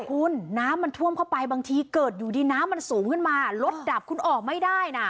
คุณน้ำมันท่วมเข้าไปบางทีเกิดอยู่ดีน้ำมันสูงขึ้นมารถดับคุณออกไม่ได้นะ